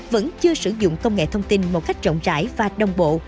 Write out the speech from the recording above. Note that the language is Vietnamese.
vẫn chưa sử dụng công nghệ thông tin một cách rộng rãi và đồng bộ